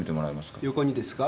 横にですか？